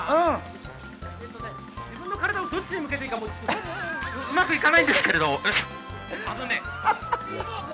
自分の体をどっちに向けていいか、うまくいかないんですけど。